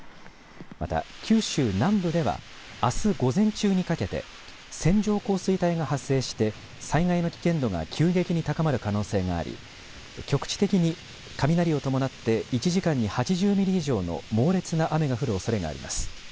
また九州南部ではあす午前中にかけて線状降水帯が発生して災害の危険度が急激に高まる可能性があり、局地的に雷を伴って１時間に８０ミリ以上の猛烈な雨が降るおそれがあります。